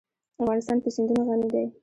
افغانستان په سیندونه غني دی.